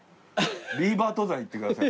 ビーバートザン行ってください。